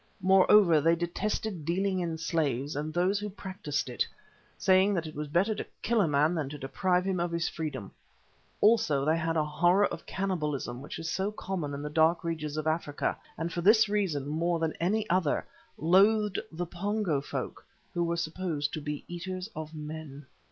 Moreover, they detested dealing in slaves and those who practised it, saying that it was better to kill a man than to deprive him of his freedom. Also they had a horror of the cannibalism which is so common in the dark regions of Africa, and for this reason, more than any other, loathed the Pongo folk who were supposed to be eaters of men.